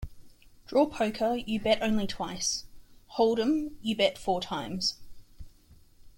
Draw poker, you bet only twice; hold 'em, you bet four times.